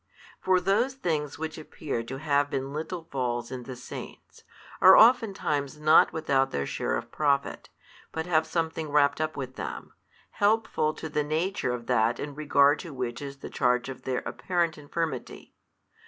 For those things which appear to have been little falls in the Saints, are oftentimes not without their share of profit, but have something wrapt up with them, helpful to the nature of that in regard to which is the charge of their apparent infirmity.